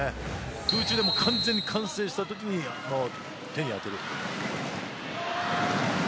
空中で完全に完成したときに手に当てる。